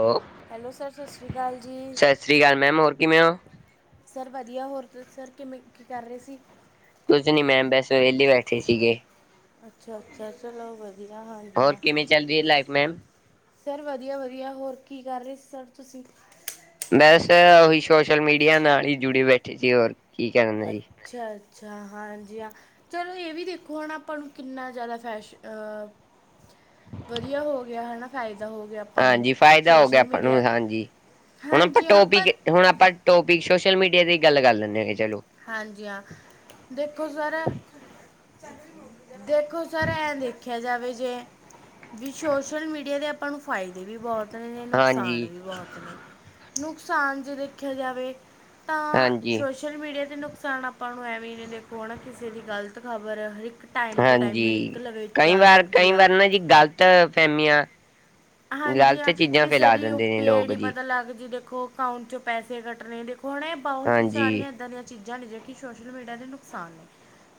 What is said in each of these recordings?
ਸਤਿ hello sir ਸਤਿ ਸ਼੍ਰੀ ਅਕਾਲ ਜੀ ਸਸਰੀ ਕਾਲ ਮੈਮ ਹੋਰ ਕਿਵੇਂ ਹੋ? ਸਰ ਵਧੀਆ ਹੋਰ ਤੁਸੀਂ ਸਰ ਕਿਵੇਂ ਕੀ ਕਰ ਰਹੇ ਸੀ? ਕੁਝ ਨੀ ਮੈਮ ਵੈਸੇ ਵੇਹਲੇ ਬੈਠੇ ਸੀਗੇ। ਅੱਛਾ-ਅੱਛਾ ਚਲੋ ਗ [unintelligible] ਹੋਰ ਕਿਵੇਂ ਚੱਲ ਰਹੀ ਹੈ ਲਾਈਫ ਮੈਮ? ਸਰ ਵਧੀਆ- ਵਧੀਆ ਹੋਰ ਕੀ ਕਰ ਰਹੇ ਸੀ ਸਰ ਤੁਸੀਂ? ਵੈਸੇ ਉਹੀ ਸੋਸ਼ਲ ਮੀਡੀਆ ਨਾਲ ਹੀ ਜੁੜੇ ਬੈਠੇ ਸੀ ਹੋਰ ਕੀ ਕਰਨਾ ਜੀ। ਅੱਛਾ-ਅੱਛਾ, ਹਾਂਜੀ ਹਾਂ। ਚਲੋ ਇਹ ਵੀ ਦੇਖੋ ਹੁਣ ਆਪਾਂ ਨੂੰ ਕਿੰਨਾ ਜ਼ਿਆਦਾ ਫੈਸ਼ਨ ਅ। ਵਧੀਆ ਹੋ ਗਿਆ ਹਨਾ ਫ਼ਾਇਦਾ ਹੋ ਗਿਆ। ਆਪਾਂ ਨੂੰ ਹਾਂਜੀ ਫਾਇਦਾ ਹੋ ਗਿਆ ਸੋਸ਼ਲ ਆਪਾਂ ਨੂੰ ਮੀਡੀਆ ਹਾਂਜੀ ਹੁਣ ਆਪਾਂ ਹਾਂਜੀ ਹਾਂ ਟੋਪਿਕ। ਪਰ ਹੁਣ ਆਪਾਂ ਟੋਪਿਕ ਸੋਸ਼ਲ ਮੀਡੀਆ ਦੀ ਗੱਲ ਕਰ ਲੈਂਦੇ ਹੈਗੇ ਚਲੋ। ਹਾਂਜੀ ਹਾਂ ਦੇਖੋ ਸਰ। ਦੇਖੋ ਸਰ ਐਂ ਦੇਖਿਆ ਜਾਵੇ ਜੇ। ਵੀ ਸੋਸ਼ਲ ਮੀਡੀਆ ਦੇ ਆਪਾਂ ਨੂੰ ਫਾਇਦੇ ਵੀ ਬਹੁਤ। ਨੇ ਨੁਕਸਾਨ ਹਾਂਜੀ ਵੀ ਬਹੁਤ ਨੇ ਨੁਕਸਾਨ ਜੇ ਦੇਖਿਆ ਜਾਵੇ। ਤਾਂ ਹਾਂਜੀ ਸੋਸ਼ਲ ਮੀਡੀਆ। ਤੇ ਨੁਕਸਾਨ ਆਪਾਂ ਨੂੰ ਐਵੇਂ ਜੇ ਦੇਖੋ ਹਨਾ ਕਿਸੇ ਦੀ ਗ਼ਲਤ ਖ਼ਬਰ ਹਰ ਇੱਕ। ਟਾਈਮ ਟੂ ਟਾਈਮ ਹਰ ਇੱਕ ਹਾਂਜੀ ਲਵੇ ਕਈ ਜਾ ਵਾਰ- ਸਕਦੀ ਕਈ ਆ ਵਾਰ ਨਾ ਜੀ ਗ਼ਲਤ ਫਹਿਮੀਆਂ। ਹਾਂਜੀ ਗ਼ਲਤ ਹਾਂ ਚੀਜ਼ਾਂ ਕਿਸੇ ਫੈਲਾ ਦੀ ਯੂ ਦਿੰਦੇ ਨੇ ਪੀ ਆਈ ਲੋਕ ਡੀ ਜੀ ਪਤਾ ਲੱਗ ਜੀ ਦੇਖੋ। ਅਕਾਊਂਟ ਚੋ ਪੈਸੇ ਕੱਟਣੇ ਦੇਖੋ ਹਣੇ ਬਹੁਤ ਹਾਂਜੀ ਸਾਰਿਆਂ ਇੱਦਾਂ ਦੀਆਂ ਚੀਜ਼ਾਂ ਨੇ ਜਿਹੜੀਆਂ ਸੋਸ਼ਲ ਮੀਡੀਆ ਦੇ ਨੁਕਸਾਨ ਨੇ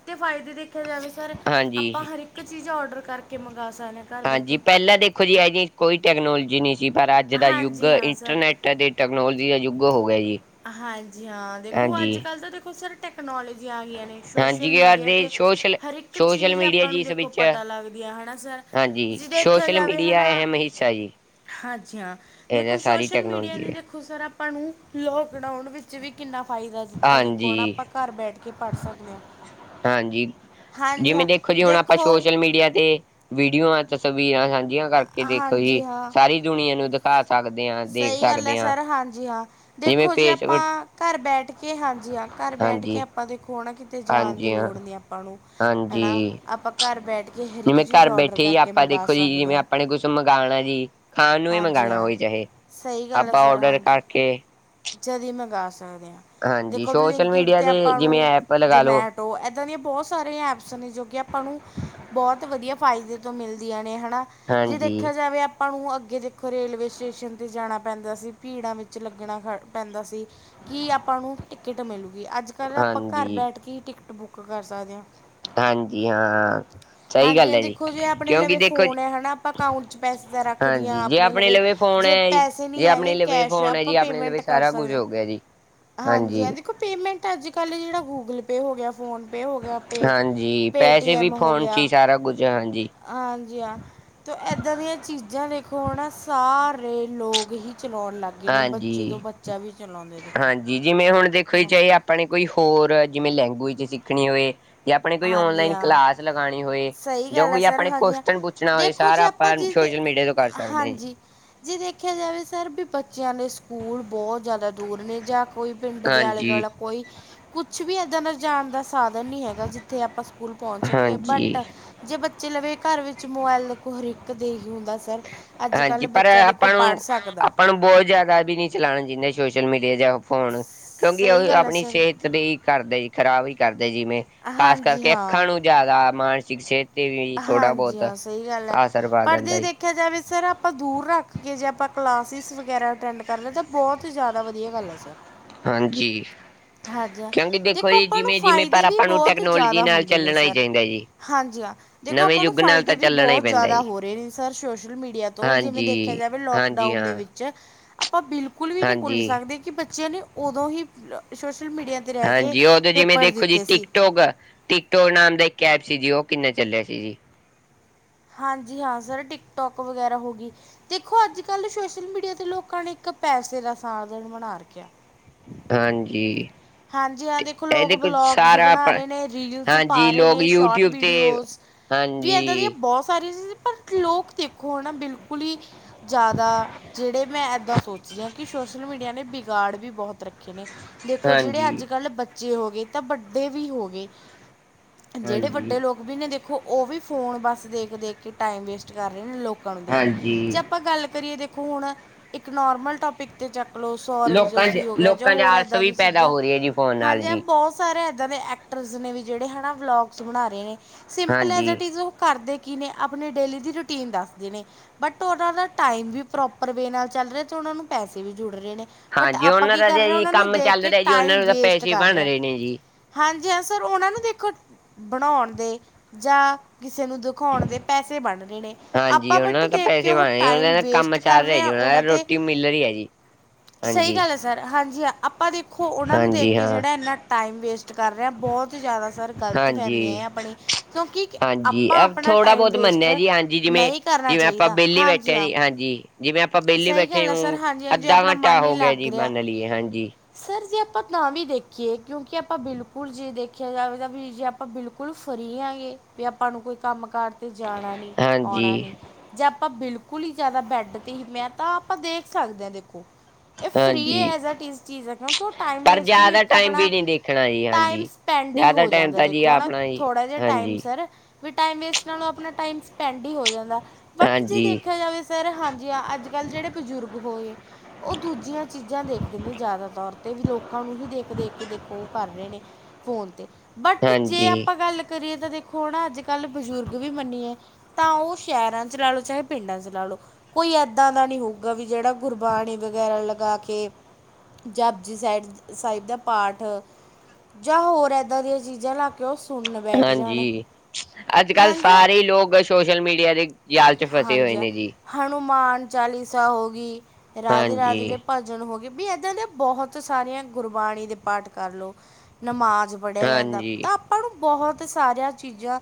ਤੇ ਫਾਇਦੇ ਦੇਖਿਆ ਜਾਵੇ ਸਰ ਆਪਾਂ ਹਾਂਜੀ ਹਰ ਇੱਕ। ਇੱਕ ਚੀਜ਼ ਔਡਰ ਕਰਕੇ ਮੰਗਾ ਸਕਦੇ ਆ। ਹਾਂਜੀ, ਪਹਿਲਾਂ ਦੇਖੋ ਜੀ ਇਹੋ ਜੀ ਕੋਈ ਟੈਕਨੋਲਜੀ ਨਹੀਂ ਸੀ ਪਰ ਅੱਜ ਦਾ ਯੁੱਗ ਹਾਂਜੀ ਹਾਂ ਸਰ ਇੰਟਰਨੈੱਟ। ਟੈਕਨੋਲੋਜੀ ਦਾ ਯੁੱਗ ਹੋ ਗਿਆ ਜੀ। ਹਾਂਜੀ ਹਾਂ ਦੇਖੋ ਅੱਜ ਹਾਂਜੀ ਕੱਲ੍ਹ ਤਾਂ ਦੇਖੋ ਸਰ ਟੈਕਨੋਲੋਜੀ ਆ ਗਈਆਂ ਨੇ। ਹਾਂਜੀ ਸ਼ੋਸ਼ਲ ਯਾਰ ਮੀਡੀਆ ਦੇ 'ਤੇ ਸੋਸ਼ਲ ਹਰ ਇੱਕ ਸੋਸ਼ਲ ਚੀਜ਼ ਮੀਡੀਆ ਆਪਾਂ ਜੀ ਨੂੰ ਇਸ ਦੇਖੋ ਵਿੱਚ ਪਤਾ ਲੱਗਦੀ ਹੈ ਹਨਾ ਸਰ। ਹਾਂਜੀ ਜੇ ਜੀ, ਦੇਖਿਆ ਸੋਸ਼ਲ ਜਾਵੇ ਹੈ ਮੀਡੀਆ ਨਾ ਅਹਿਮ ਹਿੱਸਾ ਜੀ। ਹਾਂਜੀ ਹਾਂ ਇਹਦਾ ਦੇਖੋ ਸਾਰੀ ਸੋਸ਼ਲ ਮੀਡੀਆ ਟੈਕਨੋਲੋਜੀ ਨੇ। ਹੈ ਦੇਖੋ ਸਰ ਆਪਾਂ ਨੂੰ ਲੋਕਡਾਊਨ ਵਿੱਚ ਵੀ ਕਿੰਨਾ ਫਾਇਦਾ ਦਿੱਤਾ ਦੇਖੋ ਹਾਂਜੀ ਹੁਣ ਆਪਾਂ ਘਰ ਬੈਠ ਕੇ। ਪੜ੍ਹ ਸਕਦੇ ਹਾਂ ਹਾਂਜੀ ਹਾਂਜੀ ਜਿਵੇਂ ਹਾਂ ਦੇਖੋ ਜੀ ਹੁਣ ਆਪਾਂ ਸੋਸ਼ਲ ਮੀਡੀਆ ਤੇ। ਵੀਡੀਓਆਂ, ਤਸਵੀਰਾਂ ਸਾਂਝੀਆਂ ਕਰਕੇ ਦੇਖੋ ਹਾਂਜੀ ਜੀ ਹਾਂ ਸਾਰੀ ਦੁਨੀਆਂ ਨੂੰ ਦਿਖਾ ਸਕਦੇ ਹਾਂ। ਦੇਖ ਸਹੀ ਗੱਲ ਹੈ ਸਕਦੇ ਹਾਂ ਸਰ ਹਾਂਜੀ ਹਾਂ। ਜਿਵੇਂ ਦੇਖੋ ਜੀ ਫੇਸਬੁੱਕ ਆਪਾਂ ਘਰ ਬੈਠ ਕੇ ਹਾਂਜੀ ਹਾਂ ਘਰ ਬੈਠ ਕੇ। ਹਾਂਜੀ ਆਪਾਂ ਦੇਖੋ ਨਾ ਕਿਤੇ ਜਾਣ ਹਾਂਜੀ ਹਾਂ ਲੋੜ ਨਹੀਂ। ਆਪਾਂ ਨੂੰ ਹਨਾ ਹਾਂਜੀ ਆਪਾਂ ਘਰ ਬੈਠ ਕੇ ਹਰ ਇੱਕ ਜਿਵੇਂ ਚੀਜ਼ ਘਰ ਔਡਰ ਬੈਠੇ ਹੀ ਕਰਕੇ ਆਪਾਂ ਮੰਗਵਾ ਦੇਖੋ ਸਕ। ਜਿਵੇਂ ਆਪਣੇ ਕੁਛ ਮੰਗਉਣਾ ਐ ਜੀ ਖਾਣ ਨੂੰ ਵੀ ਹਾਂਜੀ ਮੰਗਵਾਉਣਾ ਹਾਂ ਹੋਵੇ ਚਾਹੇ। ਸਹੀ ਗੱਲ ਹੈ ਸਰ ਹਾਂਜੀ। ‌ ਅਤੇ [unintelligible] ਜਦੀ ਮੰਗਾ ਸਕਦੇ ਹਾਂ ਹਾਂਜੀ ਦੇਖੋ ਸੋਸ਼ਲ ਬਲਿੰਕਡ ਮੀਡੀਆ ਤੇ ਦੇ ਆਪਾਂ ਜਿਵੇਂ ਨੂੰ ਐਪ ਲਗਾ ਲਓ ਜਮੈਟ। ਟੋ ਏਦਾਂ ਦੀਆਂ ਬਹੁਤ ਸਾਰੀਆਂ ਐਪਸ ਨੇ ਜੋ ਕਿ ਆਪਾਂ ਨੂੰ। ਬਹੁਤ ਵਧੀਆ ਫਾਇਦੇ ਤੋਂ ਮਿਲਦੀਆਂ ਨੇ ਹਨਾ ਜੇ ਹਾਂਜੀ ਦੇਖਿਆ ਜਾਵੇ। ਆਪਾਂ ਨੂੰ ਅੱਗੇ ਦੇਖੋ ਰੇਲਵੇ ਸਟੇਸ਼ਨ ਤੇ ਜਾਣਾ ਪੈਂਦਾ ਸੀ ਭੀੜਾਂ ਵਿੱਚ ਲੱਗਣਾ ਖੜ। ਪੈਂਦਾ ਸੀ ਕਿ ਆਪਾਂ ਨੂੰ ਟਿਕਟ ਮਿਲੂਗੀ ਅੱਜ ਕੱਲ ਆਪਾਂ ਘਰ ਹਾਂਜੀ ਬੈਠ ਕੇ ਹੀ ਟਿਕਟ ਬੁੱਕ। ਬੁੱਕ ਕਰ ਸਕਦੇ ਆ। ਹਾਂਜੀ ਹਾਂ। ਸਹੀ ਹਾਂਜੀ- ਗੱਲ ਹਾਂਜੀ ਹੈ ਜੀ ਦੇਖੋ ਜੇ ਆਪਣੇ ਕਿਉਂਕਿ ਲਵੇ ਦੇਖੋ ਜੀ ਫੋਨ ਹੈ ਹਨਾ ਆਪਾਂ ਅਕਾਊਂਟ 'ਚ ਪੈਸੇ ਤਾਂ ਰੱਖਦੀਆ ਹਾਂਜੀ ਜੇ ਆਪਣੇ ਲਵੇ। ਫੋਨ ਜੇ ਹੈ ਜੀ ਪੈਸੇ ਨੀ ਜੇ ਹੈਗੇ ਆਪਣੇ ਲਵੇ ਕੈਸ਼ ਫੋਨ ਹੈ ਆਪਾਂ ਜੀ ਆਪਣੇ ਪੇਮੈਂਟ ਲਵੇ ਕਰ ਸਾਰਾ ਕੁਝ ਸਕਦੇ ਹੋ ਗਿਆ ਜੀ ਹਾਂ ਹਾਂਜੀ ਹਾ ਦੇਖੋ। ਪੇਮੈਂਟ ਅੱਜ ਕੱਲ੍ਹ ਜਿਹੜਾ ਗੂਗਲ- ਪੇ ਹੋ ਗਿਆ ਫੋਨ- ਪੇ ਹੋ ਗਿਆ। ਹਾਂਜੀ ਪੈਸੇ ਵੀ ਪੇਟੀਐੱਮ ਫੋਨ 'ਚ ਹੀ ਸਾਰਾ ਕੁਝ ਹਾਂਜੀ। ਹਾਂਜੀ ਹਾ ਤਾਂ ਇੱਦਾਂ ਦੀਆਂ ਚੀਜ਼ਾਂ ਦੇਖੋ ਹਨਾ ਸਾਰੇ ਲੋਕ ਹੀ। ਚਲਾਉਣ ਲੱਗ ਗਏ ਨੇ ਬੱਚੇ ਤੋਂ ਹਾਂਜੀ ਬ। ਹਾਂਜੀ, ਜਿਵੇਂ ਹੁਣ ਦੇਖੋ ਹਾਂ ਚਾਏ ਆਪਾਂ ਨੇ ਕੋਈ ਹੋਰ ਜਿਵੇਂ ਲੈਂਗੁਏਜ ਸਿੱਖਣੀ ਹੋਵੇ ਯਾ ਆਪਾਂ ਨੇ ਕੋਈ ਹਾਂਜੀ ਔਨਲਾਈਨ ਹਾਂ ਕਲਾਸ ਲਗਾਣੀ ਹੋਏ ਸਹੀ ਯਾ ਗੱਲ ਹੈ ਕੋਈ ਸਰ ਆਪਾਂ ਨੇ ਹਾਂਜੀ ਹਾਂ। ਕੋਸਚਨ ਪੁੱਛਣਾ ਹੋਏ ਦੇਖੋ ਜੀ ਸਾਰਾ ਆਪਾਂ ਜੀ ਦੇ ਸੋਸ਼ਲ ਮੀਡੀਆ ਤੋਂ ਕਰ ਸਕਦੇ ਆ ਜੀ। ਹਾਂਜੀ ਜੇ ਦੇਖਿਆ ਜਾਵੇ ਸਰ ਵੀ ਬੱਚਿਆਂ ਦੇ ਸਕੂਲ ਬੋਤ ਦੂਰ ਨੇ ਜਾਂ ਕੋਈ ਪਿੰਡ ਦੇ ਹਾਂ ਜੀ। ਹਾਂਜੀ, ਆਲੇ-ਦੁਆਲਾ ਕੋਈ ਕੁਛ ਵੀ ਏਦਾਂ ਦਾ ਜਾਨ ਦਾ ਸਾਧਨ ਨੀ ਹੈਗਾ ਜਿੱਥੇ ਆਪਾਂ ਸਕੂਲ ਪੌਂਚ ਸਕੀਏ ਬਟ ਹਾਂਜੀ, ਜੇ ਬੱਚੇ ਲਵੇ ਘਰ ਵਿੱਚ ਮੋਬਾਇਲ ਦੇਖੋ ਹਰ ਇੱਕ ਦੇ ਈ ਹੁੰਦਾ ਸਰ। ਅੱਜ ਹਾਂਜੀ ਕੱਲ੍ਹ ਪਰ ਬੱਚਾ ਦੇਖੋ ਆਪਾਂ ਪੜ੍ਹ ਨੂੰ, ਸਕਦਾ ਆਪਾਂ ਨੂੰ ਬੋਤ ਜਾਦਾ ਵੀ ਨੀ ਚਲਾਣਾ ਚਾਈਦਾ ਸੋਸ਼ਲ ਮੀਡੀਆ ਜਾਂ ਫੋਨ ਕਿਉਂਕਿ ਓ ਸਹੀ ਗੱਲ ਹੈ ਆਪਣੀ ਸਰ ਸੇਹਤ ਵੀ ਕਰਦੇ ਜੀ ਖਰਾਬ ਈ ਕਰਦੇ ਜਿਵੇਂ ਖਾਸ ਹਾਂਜੀ ਕਰਕੇ ਹਾਂ ਅੱਖਾਂ ਨੂੰ ਜਾਦਾ ਮਾਨਸਿਕ ਸੇਹਤ ਹਾਂਜੀ ਹਾਂ, ਸਈ ਗੱਲ ਐ ਆਸਰ ਪਾ ਪਰ ਜੇ ਦਿੰਦਾ ਜੀ ਦੇਖਿਆ ਜਾਵੇ ਸਰ ਆ ਆਪਾਂ ਦੂਰ ਰੱਖ ਕੇ ਜੇ ਆਪਾਂ ਕਲਾਸਿਸ ਵਗੈਰਾ ਅਟੈਂਡ ਕਰਦੇ ਤਾਂ ਬੋਤ ਹੀ ਜਾਦਾ ਵਦੀਆ ਗੱਲ ਐ ਸਰ। ਹਾਂਜੀ। ਹਾਂਜੀ ਹਾਂ ਕਿਉਂਕਿ ਦੇਖੋ ਜੀ ਆਪਾਂ ਨੂੰ ਜਿਵੇਂ-ਜਿਵੇਂ ਪਰ ਫਾਇਦੇ ਵੀ ਆਪਾਂ ਨੂੰ ਬਹੁਤ ਟੈਕਨੋਲੋਜੀ ਜ਼ਿਆਦਾ ਨਾਲ ਹੁੰਦੇ ਨੇ ਚੱਲਣਾ ਹੀ ਸਰ ਚਾਈਦਾ ਜੀ। ਹਾਂਜੀ ਹਾਂ, ਦੇਖੋ ਨਵੇਂ ਆਪਾਂ ਨੂੰ ਯੁੱਗ ਨਾਲ ਤਾਂ ਫਾਏਦੇ ਵੀ ਚੱਲਣਾ ਹੀ ਬੋਤ ਪੈਂਦਾ ਜਾਦਾ ਜੀ ਹੋ ਰੇ ਨੇ ਸਰ ਸੋਸ਼ਲ ਮੀਡੀਆ ਤੋਂ ਜਿਵੇਂ ਹਾਂਜੀ ਦੇਖਿਆ ਜਾਵੇ ਹਾਂਜੀ ਲੋਕਡਾਊਨ ਦੇ ਹਾਂ ਵਿੱਚ ਆਪਾਂ ਬਿਲਕੁਲ ਵੀ ਨੀ ਭੁੱਲ ਹਾਂਜੀ ਸਕਦੇ ਕਿ ਬੱਚੇਆਂ ਨੇ ਓਦੋਂ ਹੀ ਸੋਸ਼ਲ ਮੀਡੀਆ 'ਤੇ ਰਹਿ ਕੇ ਹਾਂਜੀ ਓ ਤੇ ਜਿਵੇਂ ਪੇਪਰ ਦੇਖੋ ਜੀ ਦਿੱਤੇ ਸੀ ਟਿਕਟੋਕ ਟਿਕਟੋਕ ਨਾਮ ਦਾ ਇੱਕ ਐਪ ਸੀ ਜੀ, ਓ ਕਿੰਨਾ ਚੱਲੇਆ ਸੀ ਜੀ। ਹਾਂਜੀ ਹਾਂ ਸਰ ਟਿਕਟੋਕ ਵਗੈਰਾ ਹੋ ਗੀ। ਦੇਖੋ ਅੱਜ-ਕੱਲ ਸੋਸ਼ਲ ਮੀਡੀਆ ਤੇ ਲੋਕਾਂ ਨੇ ਇੱਕ ਪੈਸੇ ਦਾ ਸਾਧਨ ਬਣਾ ਰੱਖਿਆ। ਹਾਂਜੀ। ਹਾਂਜੀ ਹਾਂ, ਦੇਖੋ ਲੋਕ ਇਹਦੇ ਕੁਝ ਵਲੋਗਸ ਸਾਰਾ ਆਪ ਬਣਾ ਰਹੇ ਨੇ, ਰੀਲਸ ਹਾਂਜੀ ਪਾ ਰਹੇ ਲੋਕ ਨੇ ਸ਼ੋਟ ਯੂਟਿਊਬ ਤੇ ਵੀਡੀਓਜ਼ ਵੀ ਇਦਾਂ ਦੀਆਂ ਹਾਂਜੀ ਬੋਤ ਸਾਰੀਆਂ ਸੀ ਪਰ ਲੋਕ ਦੇਖੋ ਹਨਾ ਬਿਲਕੁਲ ਈ ਜਾਦਾ ਜੇੜੇ ਮੈਂ ਏਦਾਂ ਸੋਚ ਰੀ ਆਂ। ਕਿ ਸੋਸ਼ਲ ਮੀਡੀਆ ਨੇ ਵਿਗਾੜ ਵੀ ਬੋਹਤ ਰੱਖੇ ਨੇ ਦੇਖੋ ਜੇੜੇ ਹਾਂਜੀ ਅੱਜ ਕੱਲ ਬੱਚ ਚੇ ਹੋ ਗੇ ਤਾਂ ਵੱਡੇ ਵੀ ਹੋ ਗੇ ਜੇੜੇ ਹਾਂਜੀ ਵੱਡੇ ਲੋਕ ਵੀ ਨੇ ਦੇ ਦੇਖੋ ਓ ਵੀ ਫੋਨ ਬਸ ਦੇਖ-ਦੇਖ ਕੇ ਟਾਈਮ ਵੇਸਟ ਕਰ ਰੇ ਨੇ ਲੋਕ ਕਾਂ ਨੂੰ ਦੇ ਕੇ ਹਾਂਜੀ ਜੇ ਆਪਾਂ ਗੱਲ ਕਰੀਏ ਦੇਖੋ ਹੁਣ ਇੱਕ ਨੋਰਮਲ ਟੋਪਿਕ ਤੇ ਚੱਕਲੋ ਸੌਰਵ ਲੋਕਾਂ 'ਚ ਜੋਸੀ ਹੋ ਗਯਾ ਜਾਂ ਲੋਕਾਂ 'ਚ ਹੋਰ ਆਲਸ ਏਦਾਂ ਵੀ ਦੀ ਚੀਜ਼ ਪੈਦਾ ਜਾਂ ਹੋ ਰਹੀ ਹੈ ਜੀ ਫੋਨ ਨਾਲ ਹਾਂਜੀ ਹਾਂ ਜੀ ਬੋਤ ਸਾਰੇ ਏਦਾਂ ਦੇ ਐਕਟਰਸ ਨੇ ਵੀ ਜੇੜੇ ਹਨਾ ਵਲੋਗਸ ਬਣਾ ਰੇ ਨੇ। ਸਿੰਪਲ ਐਜ ਹਾਂਜੀ ਇਟ ਇਜ਼ ਓ ਕਰਦੇ ਕੀ ਨੇ ਅਪਣੀ ਡੇਲੀ ਦੀ ਰੂਟੀਨ ਦੱਸਦੇ ਨੇ। ਬਟ ਓਨਾ ਦਾ ਟਾਈਮ ਵੀ ਪ੍ਰੋਪਰ ਵੇਅ ਨਾਲ ਚੱਲ ਰਯਾ ਤੇ ਓਨਾਂ ਨੂੰ ਪੈਸੇ ਵੀ ਜੁੜ ਰੇ ਨੇ। ਬਟ ਹਾਂਜੀ ਆਪਾਂ ਉਹਨਾਂ ਕੀ ਦਾ ਕਰ ਤਾਂ ਰੇ ਆ ਜੀ ਓਨਾਂ ਨੂੰ ਕੰਮ ਦੇਖ ਚੱਲ ਕੇ ਰਿਹਾ ਜੀ ਉਹਨਾਂ ਟਾਈਮ ਨੂੰ ਤਾਂ ਵੇਸਟ ਪੈਸੇ ਕਰ ਬਣ ਰੇ ਆ। ਰਹੇ ਨੇ ਜੀ ਹਾਂਜੀ ਹਾਂ ਸਰ ਓਨਾਂ ਦੇਖੋ ਬਣਾਉਣ ਦੇ ਜਾਂ ਕਿਸੇ ਨੂੰ ਦਿਖਾਉਣ ਦੇ ਪੈਸੇ ਬਣ ਰਹੇ ਨੇ, ਹਾਂਜੀ ਆਪਾਂ ਉਹਨਾਂ ਬਟ ਨੂੰ ਤਾਂ ਦੇਖ ਕੇ ਪੈਸੇ ਓ ਬਣ ਟਾਈਮ ਵੇਸਟ ਕਰ ਰੇ ਆ ਨਾਂ 'ਤੇ ਟੀ ਮਿਲ ਰੀ ਐ ਜੀ ਸਹੀ ਹਾਂਜੀ। ਗੱਲ ਹੈ ਸਰ ਹਾਂਜੀ ਹਾਂ, ਆਪਾਂ ਦੇਖੋ ਓਨਾਂ ਨੂੰ ਦੇਖ ਹਾਂਜੀ ਕੇ ਹਾਂ ਜੇੜਾ ਏਨਾ ਟਾਈਮ ਵੇਸਟ ਕਰ ਰੇ ਆਂ, ਬੋਤ ਜਾਦਾ ਸਰ ਗ਼ਲਤ ਫਹਮੀ ਹਾਂਜੀ ਐ ਆਪਣੀ ਕਿਉਂਕਿ ਹਾਂਜੀ ਆਪਾਂ ਅ ਆਪਣਾ ਥੋੜਾ ਟਾਈਮ ਬੋਤ ਮੰਨੇ ਵੇਸਟ ਆ ਜੀ ਹਾਂਜੀ ਜਿਵੇਂ, ਨਹੀਂ ਕਰਨਾ ਜਿਵੇਂ ਆਪਾਂ ਚਾਹੀਦਾ ਵੇਲੇ ਹਾਂਜੀ ਬੈਠੇ ਹਾਂ ਜੀ ਹਾਂਜੀ ਜਿਵੇਂ ਆਪਾਂ ਵੇਲੇ ਸਹੀ ਬੈਠੇ ਗੱਲ ਹੈ ਸਰ ਹੋ, ਹਾਂਜੀ ਹਾਂ ਜੇ ਅੱਧਾ ਆਪਣਾ ਮਨ ਘੰਟਾ ਨਹੀਂ ਹੋ ਗਯਾ ਲੱਗ ਜੀ ਰਿਹਾ ਮੰਨ ਲਿਏ ਹਾਂਜੀ ਸਰ ਜੇ ਆਪਾਂ ਤਾਂ ਵੀ ਦੇਖੀਏ ਕਿਉਂਕਿ ਆਪਾਂ ਬਿਲਕੁਲ ਜੇ ਦੇਖੇਆ ਜਾਵੇ ਤਾਂ ਵੀ ਜੇ ਆਪਾਂ ਬਿਲਕੁਲ ਫ਼ਰੀ ਆਗੇ ਵੀ ਆਪਾਂ ਨੂੰ ਕੋਈ ਕੰਮ ਕਾਰ ਤੇ ਜਾਣਾ ਨੀ, ਆਉਣਾ ਹਾਂਜੀ ਨਹੀਂ ਜੇ ਆਪਾਂ ਬਿਲਕੁਲ ਈ ਜਾਦਾ ਬੈੱਡ ਤੇ ਹੀ, ਮੈਂ ਤਾਂ ਆਪਾਂ ਦੇਖ ਸਕਦੇ ਆਂ ਦੇਖੋ ਇਹ ਫ੍ਰੀ ਹਾਂਜੀ ਐਸ ਏ ਟੀਜ਼ ਚੀਜ਼ ਹੈ ਕਿਉਂਕਿ ਉਹ ਟਾਈਮ ਪਰ ਵੇਸਟ ਵੀ ਜ਼ਿਆਦਾ ਇੱਕ ਟਾਈਮ ਆਪਣਾ ਵੀ ਨਹੀਂ ਦੇਖਣਾ ਜੀ ਹਾਂਜੀ ਟਾਈਮ ਪੈਂਡ ਈ ਜ਼ਿਆਦਾ ਹੋ ਟਾਈਮ ਜਾਂਦਾ ਤਾਂ ਜੀ ਦੇਖੋ ਨਾ ਆਪਣਾ ਜੀ ਥੋੜ੍ਹਾ ਜਿਹਾ ਟਾਈਮ ਹਾਂਜੀ ਸਰ ਵੀ ਟਾਈਮ ਵੇਸਟ ਨਾਲੋਂ ਆਪਣਾ ਟਾਈਮ ਸਪੈਂਡ ਈ ਹੋ ਜਾਂਦਾ ਬਟ ਜੇ ਹਾਂਜੀ ਦੇਖਿਆ ਜਾਵੇ ਸਰ ਅੱਜ ਕੱਲ ਜਿਹੜੇ ਬਜ਼ੁਰਗ ਹੋਏ ਉਹ ਦੂਜੀਆਂ ਚੀਜ਼ਾਂ ਦੇਖਦੇ ਨੇ ਜਾਦਾਤਰ ਤੇ ਵੀ ਲੋਕਾਂ ਨੂੰ ਹੀ ਦੇਖ ਦੇਖ ਕੇ ਦੇਖੋ ਉਹ ਕਰ ਰੇ ਨੇ ਫੋਨ ਤੇ ਬਟ ਜੇ ਹਾਂਜੀ ਆਪਾਂ ਗੱਲ ਕਰੀਏ ਤੇ ਦੇਖ ਥੋੜਾ ਅੱਜ ਕੱਲ੍ਹ ਬਜ਼ੁਰਗ ਵੀ ਮੰਨੀਏ ਤਾਂ ਉਹ ਸ਼ਹਿਰਾਂ ਚ ਲਾ ਲੋ ਚਾਹੇ ਪਿੰਡਾਂ ਚ ਲਾ ਲੋ ਕੋਈ ਏਦਾਂ ਦਾ ਨੀ ਹੋਊਗਾ ਵੀ ਜਿਹੜਾ ਗੁਰਬਾਣੀ ਵਗੈਰਾ ਲਗਾ ਕੇ ਜਾਪਜੀ ਸਾਹਿਡ ਸਾਹਿਬ ਦਾ ਪਾਠ ਜਾਂ ਹੋਰ ਇੱਦਾਂ ਦੀਆਂ ਚੀਜ਼ਾਂ ਲਾ ਕੇ ਉਹ ਸੁਣਨ ਬੈਠ ਜਾਣ ਅੱਜ ਕੱਲ੍ਹ ਹਾਂਜੀ ਹਾਂ। ਸਾਰੇ ਲੋਕ ਸੋਸ਼ਲ ਮੀਡੀਆ ਦੇ ਜਾਲ 'ਚ ਫਸੇ ਹੋਏ ਨੇ ਜੀ। ਹਨੂੰਮਾਨ ਚਾਲੀਸਾ ਹੋ ਡੀ, ਰਾਧੇ ਰਾਧੇ ਦੇ ਹਾਂਜੀ, ਭ ਜਨ ਹੋ ਗੀ ਵੀ ਇੱਦਾਂ ਦੇ ਬਹੁਤ ਸਾਰੀਆਂ ਗੁਰਬਾਣੀ ਦੇ ਪਾਠ ਕਰਲੋ ਨਮਾਜ਼ ਪੜਿਆ ਜਾਂਦਾ ਹਾਂਜੀ, ਤਾਂ ਆਪਾਂ ਨੂੰ ਬਹੁਤ ਸਾਰੀਆਂ ਚੀਜ਼ਾਂ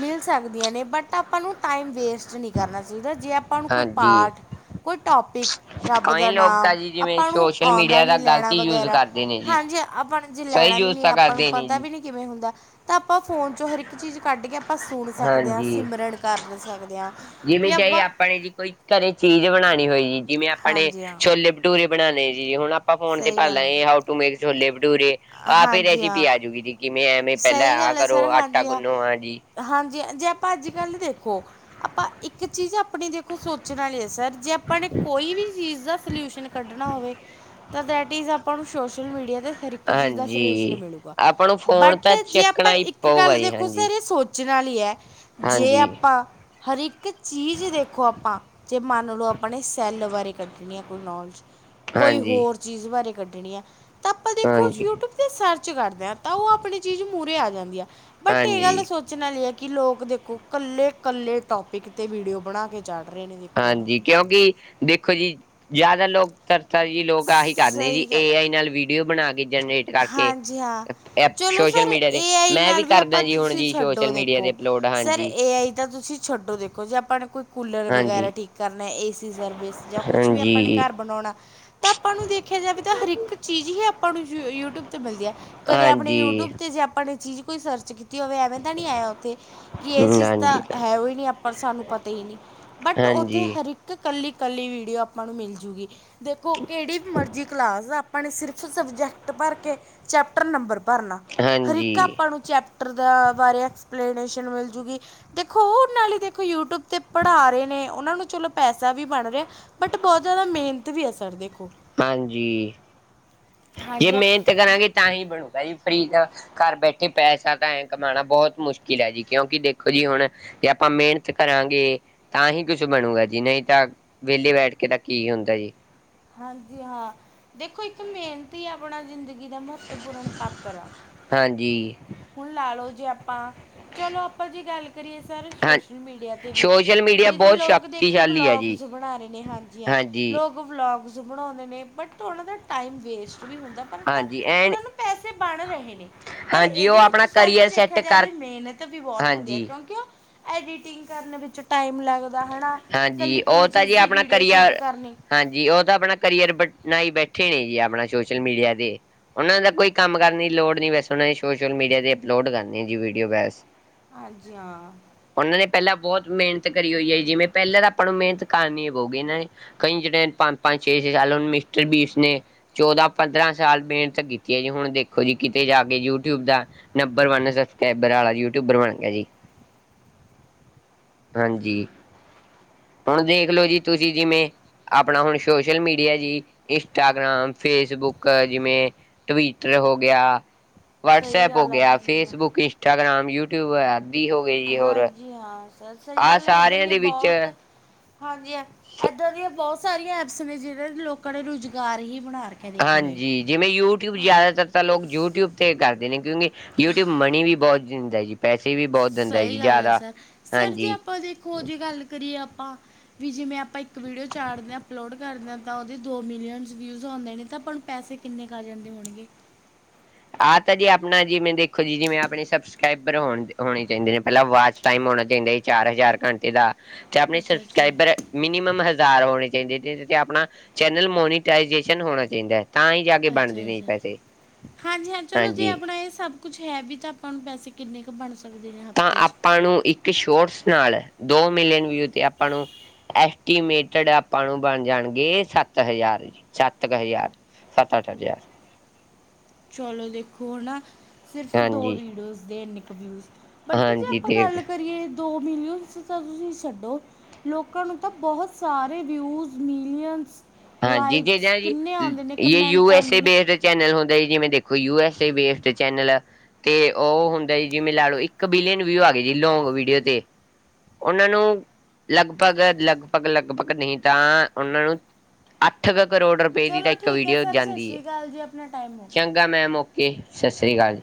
ਮਿਲ ਸਕਦੀਆਂ ਨੇ ਬਟ ਆਪਾਂ ਨੂੰ ਟਾਈਮ ਵੇਸਟ ਨਹੀਂ ਕਰਨਾ ਚਾਹੀਦਾ ਜੇ ਆਪਾਂ ਨੂੰ ਕੋਈ ਹਾਂਜੀ। ਪਾਠ ਕੋਈ ਟੋਪਿਕ ਰੱਬ ਕਈ ਦਾ ਲੋਕ ਤਾਂ ਨਾਮ ਜੀ ਜਿਵੇਂ ਆਪਾਂ ਨੂੰ ਸੋਸ਼ਲ ਆਉਂਦਾ ਮੀਡੀਆ ਦਾ ਨੀ ਲੈਣਾ ਗ਼ਲਤ ਯੂਜ ਵਗੈਰਾ ਕਰਦੇ ਨੇ ਜੀ। ਹਾਂਜੀ ਆਪਾਂ ਨੇ ਜੇ ਸਹੀ ਲੈਣਾ ਵੀ ਯੂਜ ਨੀ ਤਾਂ ਆਪਾਂ ਨੂੰ ਕਰਦੇ ਪਤਾ ਜੀ, ਵੀ ਨੀ ਕਿਵੇਂ ਹੁੰਦੈ ਤਾਂ ਆਪਾਂ ਫੋਨ ਚੋਂ ਹਰ ਇੱਕ ਚੀਜ਼ ਕੱਢ ਕੇ ਆਪਾਂ ਸੁਣ ਸਕਦੇ ਹਾਂ ਹਾਂਜੀ। ਸਿਮਰਨ ਕਰ ਸਕਦੇ ਆਂ ਵੀ ਜਿਵੇਂ ਚਾਹੇ ਆਪਾਂ ਨੇ ਜੀ ਕੋਈ ਘਰੇ ਚੀਜ਼ ਬਣਾਣੀ ਹੋਈ ਜਿਵੇਂ ਆਪਣੇ ਹਾਂਜੀ ਹਾਂ ਛੋਲੇ ਭਟੂਰੇ ਬਣਾਣੇ ਜੀ ਹੁਣ ਆਪਾਂ ਫੋਨ ਤੇ ਸਹੀ ਭਰ ਗੱਲ ਲੇ how to make chole bhature ਆਪ ਹੀ ਹਾਂਜੀ ਰੈਸੀਪੀ ਹਾਂ ਆਜੂਗੀ ਜੀ ਕਿਵੇਂ ਐਵੇਂ ਪੈਲਾਂ ਸਹੀ ਆ ਗੱਲ ਹੈ ਕਰੋ ਸਰ ਆਟਾ ਹਾਂਜੀ ਹਾਂ ਗੁੰਨੋ ਆ ਜੀ ਹਾਂਜੀ ਜੇ ਆਪਾਂ ਅੱਜ ਕੱਲ ਵੇਖੋ ਆਪਾਂ ਇੱਕ ਚੀਜ਼ ਆਪਣੀ ਦੇਖੋ ਸੋਚਣ ਆਲੀ ਐ ਸਰ ਜੇ ਆਪਾਂ ਨੇ ਕੋਈ ਵੀ ਚੀਜ਼ ਦਾ ਸਲਿਊਸ਼ਨ ਕੱਢਣਾ ਹੋਵੇ ਤਾਂ ਦੈ ਇਜ਼ ਆਪਾਂ ਨੂੰ ਸੋਸ਼ਲ ਮੀਡੀਆ ਤੇ ਹਰ ਇੱਕ ਚੀਜ਼ ਦਾ ਸੋਲਿਊਸ਼ਨ ਹਾਂਜੀ, ਮਿਲੂਗਾ। ਆਪਾਂ ਨੂੰ ਫੋਨ ਬਟ ਤਾਂ ਜੇ ਆਪਾਂ ਚੱਕਣਾ ਹੀ ਇੱਕ ਪਊਗਾ ਗੱਲ ਜੀ ਦੇਖੋ ਹਾਂਜੀ। ਸਰ ਇਹ ਸੋਚਣ ਆਲੀ ਐ ਜੇ ਹਾਂਜੀ, ਆਪਾਂ ਹਰ ਇੱਕ ਚੀਜ਼ ਦੇਖੋ ਆਪਾਂ ਜੇ ਮੰਨ ਲਓ ਆਪਣੇ ਸੈੱਲ ਵਾਰੇ ਕੱਢਣੀ ਆ ਕੋਈ ਨੌਲਜ ਕੋਈ ਹਾਂਜੀ, ਹੋਰ ਚੀਜ਼ ਵਾਰੇ ਕੱਢਣੀ ਆ ਤਾਂ ਆਪਾਂ ਦੇਖੋ ਹਾਂਜੀ, ਯੂਟੂਬ 'ਤੇ ਸਰਚ ਕਰਦੇ ਆਂ। ਤਾਂ ਉਹ ਆਪਣੀ ਚੀਜ਼ ਮੂਹਰੇ ਆ ਜਾਂਦੀ ਆ ਬਟ ਇਹ ਗੱਲ ਹਾਂਜੀ, ਸੋਚ ਨ ਆਲੀ ਐ ਕਿ ਲੋਕ ਦੇਖੋ ਕੱਲੇ ਕੱਲੇ ਟੋਪਿਕ ਤੇ ਵੀਡੀਓ ਬਣਾ ਕੇ ਚੜ ਰੇ ਨੇ। ਦੇਖੋ ਹੁਣ ਹਾਂਜੀ ਕਿਉਂਕਿ ਦੇਖੋ ਜੀ ਜਾਦਾ ਲੋਕ ਚਰਚਾ ਜੀ ਲੋਕ ਆਹੀ ਕਰਦੇ ਜੀ ਸਹੀ ਗੱਲ ਏ ਆਈ ਨਾਲ ਵੀਡੀਓ ਬਣਾ ਕੇ ਜਨਰੇਟ ਕਰਕੇ ਹਾਂਜੀ ਹਾਂ ਐਪ ਚਲੋ ਸੋਸ਼ਲ ਸਰ ਮੀਡੀਆ ਦੀ, ਏ ਆਈ ਮੈਂ ਨਾਲ ਵੀ ਆਪਾਂ ਕਰਦਾ ਜੀ ਹੁਣ ਤੁਸੀਂ ਜੀ ਛੱਡੋ ਸੋਸ਼ਲ ਮੀਡੀਆ ਦੇਖੋ ਦੇ ਸਰ ਏ ਆਈ ਤਾਂ ਤੁਸੀਂ ਛੱਡੋ ਦੇਖੋ ਜੇ ਆਪਾਂ ਨੇ ਕੋਈ ਕੂਲਰ ਵਗੈਰਾ ਹਾਂਜੀ, ਠੀਕ ਕਰਨਾ ਏਸੀ ਸਰਵਿਸ ਜਾਂ ਕੁਛ ਵੀ ਆਪਾਂ ਨੇ ਹਾਂਜੀ, ਘਰ ਬਣਾਉਣਾ ਤਾਂ ਆਪਾਂ ਨੂੰ ਦੇਖਿਆ ਜਾਵੇ ਤਾਂ ਹਰਿਕ ਚੀਜ਼ ਹੀ ਆਪਾਂ ਨੂੰ ਯੂ ਯੂਟੂਬ ਤੇ ਮਿਲਦੀ ਆ। ਕਦੇ ਆਪਣੇ ਹਾਂਜੀ, ਯੂਟੂਬ ਤੇ ਜੇ ਆਪਾਂ ਨੇ ਚੀਜ਼ ਕੋਈ ਸਰਚ ਕੀਤੀ ਤੀ ਹੋਵੇ ਐਵੇਂ ਤਾਂ ਨੀ ਆਇਆ ਉੱਥੇ ਕਿ ਇਹ ਚੀਜ਼ ਤਾਂ ਹਾਂਜੀ, ਹਾਂਜੀ। ਹੈ ਓ ਈ ਨੀ ਆਪਾ ਸਾਨੂੰ ਪਤਾ ਈ ਨੀ ਬਟ ਉੱਥੇ ਹਾਂਜੀ, ਹਰਿਕ ਕਿ ਕੱਲੀ ਕੱਲੀ ਵੀਡੀਓ ਆਪਾਂ ਨੂੰ ਮਿਲ ਜੂਗੀ, ਦੇਖੋ ਕਿਹੜੀ ਮਰਜ਼ੀ ਕਲਾਸ ਆ ਆਪਾਂ ਨੇ ਸਿਰਫ ਸਬਜੈਕਟ ਭਰ ਕੇ ਚੈਪਟਰ ਨੰਬਰ ਭਰਨਾ ਹਾਂਜੀ, ਹਰਿਕ ਆਪਾਂ ਨੂੰ ਚੈਪ ਟਰ ਦਾ ਬਾਰੇ ਐਕਸਪਲੇਨੇਸ਼ਨ ਮਿਲ ਜੂਗੀ ਦੇਖੋ ਉਹ ਨਾਲੇ ਦੇਖੋ ਯੂਟੂਬ ਤੇ ਪੜ੍ਹਾ ਰੇ ਨੇ ਉਹਨਾਂ ਨੂੰ ਚਲੋ ਪੈਸਾ ਵੀ ਬਣ ਰਿਐ ਬਟ ਬੋਤ ਜਾਦਾ ਮਿਹਨਤ ਵੀ ਐ ਸਰ ਦੇਖੋ। ਹਾਂਜੀ ਜੇ ਹਾਂਜੀ ਹਾਂ। ਮਿਹਨਤ ਕਰਾਂਗੇ ਤਾਂ ਹੀ ਬਣੂਗਾ ਜੀ ਫ੍ਰੀ ਦਾ ਕਾਰ ਬੈਠੇ ਪੈਸਾ ਤਾਂ ਐਂ ਕਮਾਉਣਾ ਬੋਤ ਮੁਸ਼ਕਿਲ ਐ ਜੀ ਕਿਉਂਕਿ ਦੇਖੋ ਜੀ ਹੁਣ ਜੇ ਆਪਾਂ ਕਰਾਂਗੇ ਤਾਂ ਹੀ ਕੁਛ ਬਣੂਗਾ ਜੀ ਨੀ ਤਾ ਵੇਲੇ ਬੈਠ ਕੇ ਤਾਂ ਕੀ ਹੁੰਦਾ ਜੀ। ਹਾਂਜੀ ਹਾਂ ਦੇਖੋ ਇੱਕ ਮਿਹਨਤੀ ਆਪਣਾ ਜ਼ਿੰਦਗੀ ਦਾ ਮਹੱਤਵਪੂਰਨ ਪਾਤਰ ਆ ਹਾਂਜੀ ਹੂਨ ਲਾ ਲੋ ਜੇ ਆਪਾਂ ਚਲੋ ਆਪਾਂ ਜੇ ਗੱਲ ਕਰੀਏ ਸਰ ਹਾਂ ਸੋਸ਼ਲ ਮੀਡੀਆ ਤੇ ਵੀ ਸੋਸ਼ਲ ਮੀਡੀਆ ਜਿਦੇ ਬਹੁਤ ਲੋਕ ਦੇਖੀ ਸ਼ਕਤੀਸ਼ਾਲੀ ਹੈ ਬਲੋਗਸ ਜੀ ਜੇ ਬਣਾ ਰਹੇ ਨੇ ਹਾਂਜੀ ਆ ਹਾਂਜੀ ਲੋਕ ਵਲੋਗ ਜੇ ਬਣਾਉਂਦੇ ਨੇ ਬਟ ਉਨਾਂ ਦਾ ਟਾਈਮ ਵੇਸਟ ਵੀ ਹੁੰਦਾ। ਬਟ ਹਾਂਜੀ ਐ [unintelligible] ਪਰ ਇਦੇ ਵਿੱਚ ਆਪਣਾ ਸਰ ਜੇ ਕਰੀਅਰ ਦੇਖਿਆ ਸੈੱਟ ਕਰ ਜਾਵੇ ਮੇਹਨਤ ਵੀ ਬੋਹਤ ਹੁੰਦੀ ਐ ਹਾਂਜੀ ਕਿਉਂਕਿ ਐਡੀਟਿੰਗ ਕਰਨ ਵਿੱਚ ਟਾਈਮ ਲੱਗਦਾ ਹਨਾ ਹਾਂਜੀ ਕੱਲੀ-ਕੱਲੀ ਉਹ ਤਾਂ ਜੀ ਚੀਜ਼ ਦੀ ਆਪਣਾ ਵੀਡੀਓ ਸ਼ੂਟ ਕਰੀਅਰ ਕਰਨੀ। ਹਾਂਜੀ ਉਹ ਤਾਂ ਆਪਣਾ ਕਰੀਅਰ ਬ ਬਨਾਈ ਬੈਠੇ ਨੇ ਜੀ ਆਪਣਾ ਸੋਸ਼ਲ ਮੀਡੀਆ ਤੇ। ਉਹਨਾਂ ਦਾ ਕੋਈ ਕੰਮ ਕਰਨ ਦੀ ਲੋੜ ਨੀ ਬਸ ਉਨਾ ਨੇ ਸੋਸ਼ਲ ਮੀਡੀਆ ਤੇ ਅਪਲੋਡ ਕਰਨੀ ਜੀ ਵੀਡੀਓ ਬਸ। ਹਾਂਜੀ ਹਾਂ। ਉਹਨਾਂ ਨੇ ਪੈਲਾਂ ਬੋਤ ਮੇਹਨਤ ਕਰੀ ਹੋਈ ਐ ਜੀ ਪੈਲਾਂ ਤਾਂ ਆਪਾਂ ਨੂੰ ਮੇਹਨਤ ਕਰਨੀ ਪਊ ਗਈ ਨਈ। ਕਈ ਜਣੇ ਪੰਜ-ਪੰਜ ਛੇ-ਛੇ ਸਾਲ ਮਿਸਟਰ ਬੀਸ ਨੇ ਚੌਦਾਂ-ਪੰਦਰਾਂ ਸਾਲ ਮੇਹਨਤ ਕੀਤੀ ਹੈ ਜੀ ਹੁਣ ਦੇਖੋ ਜੀ ਕੇ ਯੂਟਿਊਬ ਦਾ ਨੰਬਰ ਵਨ ਸਬਸਕ੍ਰਬਰ ਆ ਯੂਟਿਊਬਰ ਬਣ ਗਿਆ ਜੀ। ਹਾਂਜੀ ਹੁਣ ਦੇਖਲੋ ਜੀ ਤੁਸੀਂ ਜਿਵੇ ਆਪਣਾ ਹੁਣ ਸੋਸ਼ਲ ਮੀਡੀਆ ਜੀ ਇੰਸਟਾਗ੍ਰਾਮ, ਫੇਸਬੁੱਕ ਜਿਵੇਂ ਟਵੀਟਰ ਹੋ ਗਿਆ। ਸਹੀ ਵਟਸਐਪ ਹੋ ਗੱਲ ਆ ਗਿਆ ਹਾਂਜੀ ਹਾਂ ਫੇਸਬੁੱਕ, ਇੰਸਟਾਗ੍ਰਾਮ, ਯੂਟਿਊਬ ਆਦਿ ਹੋ ਗਏ ਜੀ ਹੋਰ ਹਾਂਜੀ ਹਾਂ ਸਰ ਸਈ ਆਹ ਗੱਲ ਐ ਇੱਦਾਂ ਸਾਰਿਆਂ ਦੀਆਂ ਦੇ ਵਿੱਚ ਬੋਹਤ ਹਾਂਜੀ ਇੱਦਾਂ ਦੀਆਂ ਬੋਤ ਸਾਰੀਆਂ ਐਪਸ ਨੇ ਜੇੜੇ ਲੋਕਾਂ ਨੇ ਰੁਜ਼ਗਾਰ ਹੀ ਬਣਾ ਰ ਹਾਂਜੀ। ਜਿਵੇਂ ਯੂਟਿਊਬ ਜਾਦਾਤਰ ਤਾ ਲੋਕ ਯੂਟਿਊਬ ਤੇ ਕਰਦੇ ਨੇ ਕਿਉਂਕਿ ਯੂਟਿਊਬ ਮਣੀ ਵੀ ਬੋਤ ਦਿੰਦਾ ਜੀ। ਪੈਸੇ ਵੀ ਬੋਹਤ ਦਿੰਦਾ ਜੀ ਸਹੀ ਜਾਦਾ ਹਾਂਜੀ। [unintelligible] ਜੀ ਗੱਲ ਕਰੀਏ ਅਪਾ ਵੀ ਜਿਵੇਂ ਆਪਾਂ ਇੱਕ ਵੀਡੀਓ ਚਾੜਦੇ ਆ ਅਪਲੋਡ ਕਰਦੇ ਆ ਤਾਂ ਓਦੇ ਦੋ ਮਿਲੀਅਨਜ਼ ਵਿਊਜ਼ ਓਂਦੇ ਨੇ ਤਾਂ ਆਪਾਂ ਨੂੰ ਪੈਸੇ ਕਿੰਨੇ ਕ ਆ ਜਾਂਦੇ ਹੋਣਗੇ। ਆਹ ਤਾਂ ਜੀ ਆਪਣਾ ਜਿਵੇਂ ਦੇਖੋ ਜੀ ਜਿਵੇਂ ਆਪਣੇ ਸਬਸਕ੍ਰਾਈਬਰ ਹੋ ਹੋਣੇ ਚਾਹੀਦੇ ਨੇ ਪੈਲਾਂ ਵਾਚ ਟਾਈਮ ਹੋਣਾ ਚਾਈਦਾ ਜੀ ਚਾਰ ਹਜ਼ਾਰ ਘੰਟੇ ਦਾ ਤੇ ਆਪਣੇ ਅੱਛਾ ਅੱਛਾ ਸਬਸਕ੍ਰਾਇਬਰ ਮਿਨੀਮਮ ਹਜ਼ਾਰ ਹੋਣੇ ਚਾਈਦੇ ਜਿਦੇ ਚ ਆਪਣਾ ਚੈਨਲ ਮੋਨੀੇ ਟਾਇਜੇਸ਼ਨ ਹੋਣਾ ਚਾਈਦਾ ਤਾਂ ਈ ਜਾਕੇ ਬਣਦੇ ਅੱਛਾ ਨੇ ਅੱਛਾ ਪੈਸੇ। ਹਾਂਜੀ ਹਾਂ ਚਲੋ ਜੇ ਹਾਂਜੀ ਆਪਣਾ ਏ ਸਭ ਕੁਛ ਹੈ ਵੀ ਤਾਂ ਆਪਾਂ ਨੂੰ ਪੈਸੇ ਕਿੰਨੇ ਕੁ ਬਣ ਸਕਦੇ ਤਾਂ ਹਫ਼ਤੇ 'ਚ ਆਪਾਂ ਨੂੰ ਇੱਕ ਸ਼ੋਰਸ ਨਾਲ ਐ ਦੋ ਮਿਲੀਅਨ ਵਿਊ ਤੇ ਆਪਾਂ ਨੂੰ ਐਸਟੀਮੇਟਡ ਆਪਾਂ ਨੂੰ ਬਣ ਜਾਣਗੇ ਸੱਤ ਹਜ਼ਾਰ ਸੱਤ ਕੁ ਹਜ਼ਾਰ। ਸੱਤ ਅਠ ਹਜਾਰ। ਚਲੋ ਦੇਖੋ ਔ ਨਾ ਸਿਰਫ ਦੋ ਹਾਂਜੀ ਵੀਡੀਓਜ਼ ਦੇ ਏਂਕ ਵਿਊਜ਼। ਬਟ ਜੇ ਹਾਂਜੀ ਆਪਾਂ ਤੇ ਗੱਲ ਕਰੀਏ ਦੋ ਮਲੀਅਨਸ ਤਾਂ ਤੁਸੀ ਛੱਡੋ ਲੋਕਾਂ ਨੂੰ ਤਾਂ ਬੋਹਤ ਸਾਰੇ ਵਿਊਜ਼ ਮੀਲੀਅਨਸ ਹਾਂਜੀ ਜੀ ਜੇ ਜਾਏਗੀ ਯ ਯੂ ਕਮੈਂਟ ਐਸ ਆਉਂਦੇ ਏ ਨੇ ਬੇ ਚੈਨਲ ਹੁੰਦਾ ਹੈ ਜਿਵੇਂ ਦੇਖੋ U S A based channel ਆ। ਤੇ ਉਹ ਹੁੰਦਾ ਜੀ ਜਿਵੇਂ ਲੈ ਲੋ ਇੱਕ ਬਿਲੀਅਨ ਵਿਊ ਆ ਗੇ ਜੀ ਲੋਂਂਗ ਵੀਡੀਓ ਤੇ। ਉਨਾਂ ਨੂੰ ਲਗਭਗ -ਲਗਭਗ -ਲਗਪਗ ਨੀ ਤਾਂ ਉਨਾਂ ਨੂੰ ਅੱਠ ਕ ਕਰੋੜ ਰੁਪੇ ਦੀ ਤਾਂ ਚਲੋ ਇੱਕ ਠੀਕ ਹੈ ਵੀਡੀਓ ਸਰ ਸਤਿ ਜਾਂਦੀ ਐ ਸ਼੍ਰੀ ਅਕਾਲ ਜੀ ਆਪਣਾ ਟਾਈਮ ਹੋ ਚ ਗਿਆ ਚੰਗਾ ਮੈਮ ਓਕੇ ਸਸ ਰੀ ਕਾਲ।